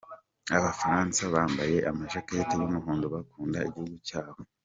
"Abafaransa bambaye amajaketi y'umuhondo bakunda igihugu cyabo.